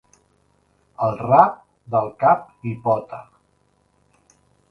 El rap del cap-i-pota.